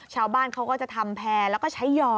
ชาวบ้านเขาก็จะทำแพร่แล้วก็ใช้ยอ